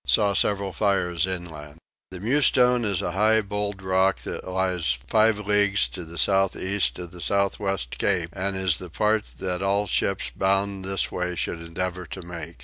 Saw several fires inland. The Mewstone is a high bold rock that lies five leagues to the south east of the south west cape and is the part that all ships bound this way should endeavour to make.